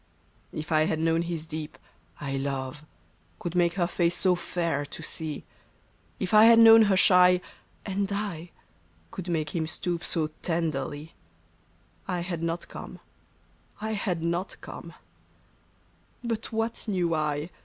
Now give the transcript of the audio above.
If I had known his deep " I love " Could make her face so fair to see ; If I had known her shy " And I " Could make him stoop so tenderly, — I had not come : I had not come. lO THROUGH THE TREES. But what knew I